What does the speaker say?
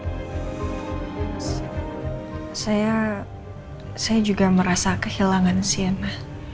saya saya juga merasa kehilangan sienna